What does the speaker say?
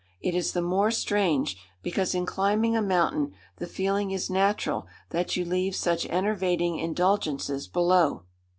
It is the more strange, because in climbing a mountain the feeling is natural that you leave such enervating indulgences below.